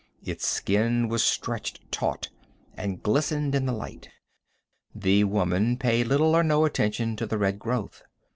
Its skin was stretched taut, and glistened in the light. The woman paid little or no attention to the red growth.